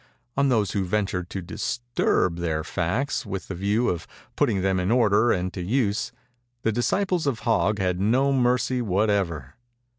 On those who ventured to disturb their facts with the view of putting them in order and to use, the disciples of Hog had no mercy whatever.